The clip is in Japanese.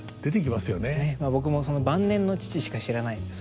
僕も晩年の父しか知らないので。